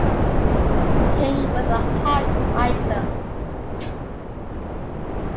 King was a hot item.